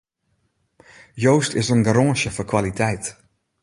Joost is in garânsje foar kwaliteit.